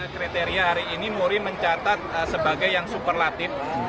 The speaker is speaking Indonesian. kriteria hari ini murin mencatat sebagai yang superlatif